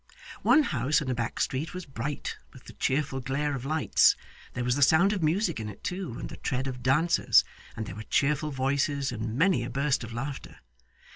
One house in a back street was bright with the cheerful glare of lights; there was the sound of music in it too, and the tread of dancers, and there were cheerful voices, and many a burst of laughter.